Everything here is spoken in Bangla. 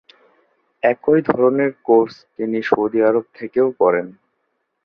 একই ধরনের কোর্স তিনি সৌদি আরব থেকেও করেন।